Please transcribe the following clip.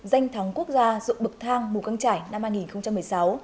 danh thắng quốc gia dụng bậc thang mù căng trải năm hai nghìn một mươi sáu